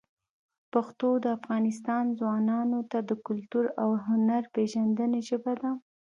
پښتو د افغانستان ځوانانو ته د کلتور او هنر پېژندنې ژبه ده.